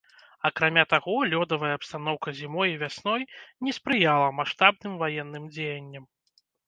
Акрамя таго, лёдавая абстаноўка зімой і вясной не спрыяла маштабным ваенным дзеянням.